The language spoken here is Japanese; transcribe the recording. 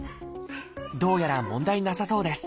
どうやら問題なさそうです